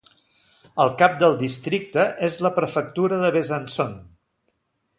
El cap del districte és la prefectura de Besançon.